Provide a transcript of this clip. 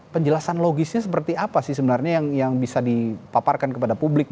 penjelasan logisnya seperti apa sih sebenarnya yang bisa dipaparkan kepada publik